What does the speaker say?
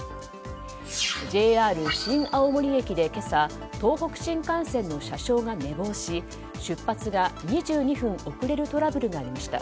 ＪＲ新青森駅で今朝東北新幹線の車掌が寝坊し出発が２２分遅れるトラブルがありました。